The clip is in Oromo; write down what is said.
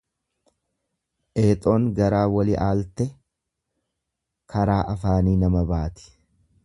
Eexoon gara waliaalte karaa afaanii nama baati.